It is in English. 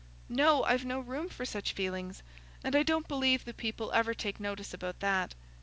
"No, I've no room for such feelings, and I don't believe the people ever take notice about that.